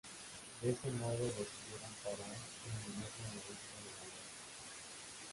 De ese modo, decidieron parar el "invierno" en la isla de Mallorca.